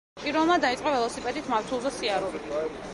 პირველმა დაიწყო ველოსიპედით მავთულზე სიარული.